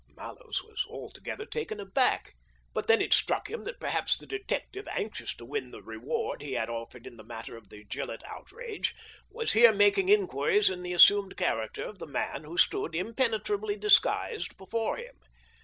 " Mallows was altogether taken aback. But then it struck him that perhaps the detective, anxious to win the reward he had offered in the matter of the Gillett outrage, was here making inquiries in the assumed character of the man who stood, im penetrably disguised, before him.